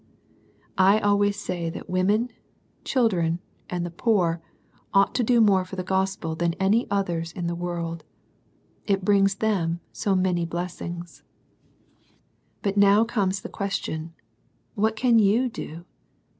" I always say that wotnen^ childre^m, and the/^^r, ought to do more for the Gospe/ than any others in the world. It brings t?um so many blessings. But now comes the question, What can you do?